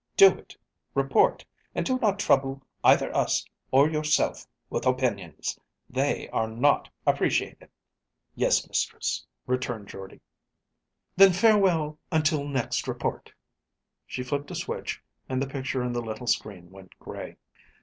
Do it, report, and do not trouble either us or yourself with opinions. They are not appreciated." "Yes, mistress," returned Jordde. "Then farewell until next report." She flipped a switch and the picture on the little screen went gray.